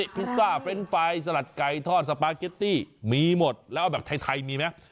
พิซซ่าเฟรนด์ไฟสลัดไก่ทอดสปาเกตตี้มีหมดแล้วเอาแบบไทยมีไหม